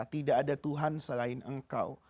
tidak ada tuhan selain engkau